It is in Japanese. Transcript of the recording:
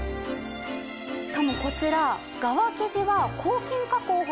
しかもこちら。